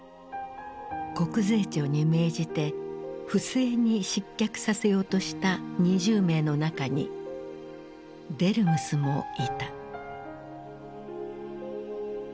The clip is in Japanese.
国税庁に命じて不正に失脚させようとした２０名の中にデルムスもいた。